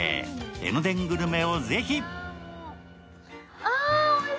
江ノ電グルメをぜひ！